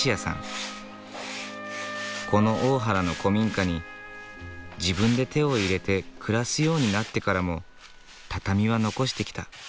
この大原の古民家に自分で手を入れて暮らすようになってからも畳は残してきた。